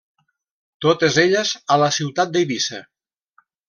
Totes elles, a la ciutat d'Eivissa.